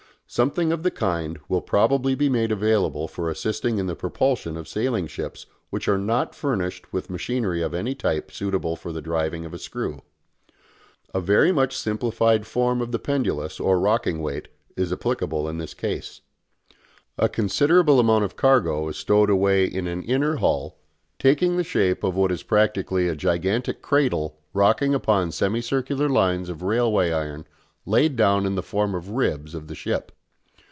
Something of the kind will most probably be made available for assisting in the propulsion of sailing ships which are not furnished with machinery of any type suitable for the driving of a screw. A very much simplified form of the pendulous or rocking weight is applicable in this case. A considerable amount of cargo is stowed away in an inner hull, taking the shape of what is practically a gigantic cradle rocking upon semicircular lines of railway iron laid down in the form of ribs of the ship.